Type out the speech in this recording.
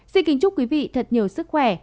xin kính chúc quý vị thật nhiều sức khỏe